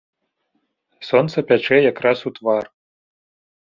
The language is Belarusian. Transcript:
Сонца пячэ якраз у твар.